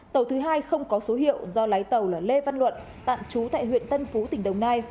tàu thứ hai không có số hiệu do lái tàu là lê văn luận tạm trú tại huyện tân phú tỉnh đồng nai